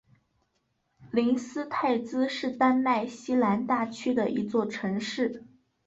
灵斯泰兹是丹麦西兰大区的一座城市。